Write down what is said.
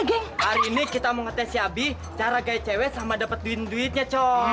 geng hari ini kita mau ngetes ya bi cara gaya cewek sama dapet duit duitnya coy